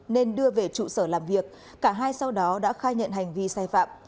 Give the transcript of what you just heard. nên đưa về trụ sở làm việc cả hai sau đó đã khai nhận hành vi sai phạm